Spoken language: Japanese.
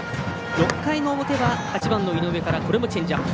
６回の表は、８番の井上からこれもチェンジアップ。